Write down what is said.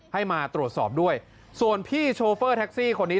ให้มาตรวจสอบด้วยส่วนพี่โชเฟอร์แท็กซี่คนนี้